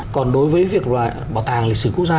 còn đối với việc là bảo tàng lịch sử quốc gia